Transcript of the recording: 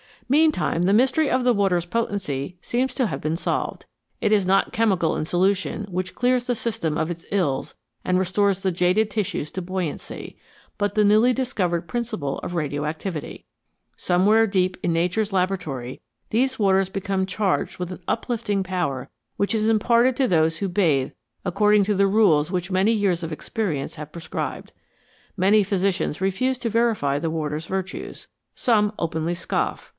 Meantime the mystery of the water's potency seems to have been solved. It is not chemical in solution which clears the system of its ills and restores the jaded tissues to buoyancy, but the newly discovered principle of radioactivity. Somewhere deep in Nature's laboratory these waters become charged with an uplifting power which is imparted to those who bathe according to the rules which many years of experience have prescribed. Many physicians refuse to verify the waters' virtues; some openly scoff.